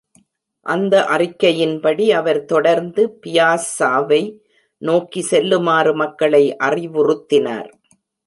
அந்த அறிக்கையின்படி, அவர் தொடர்ந்து பியாஸ்ஸாவை நோக்கி செல்லுமாறு மக்களை அறிவுறுத்தினார்.